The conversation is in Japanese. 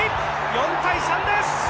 ４対３です。